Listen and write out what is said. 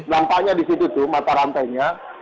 nampaknya di situ tuh mata rantainya